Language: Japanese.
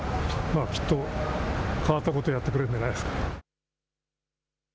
きっと変わったことやってくれるんじゃないです。